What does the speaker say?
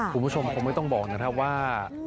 คุณผู้ชมคงไม่ต้องบอกนะครับว่า